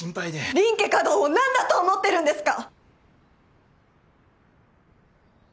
林家華道を何だと思ってるんですか！？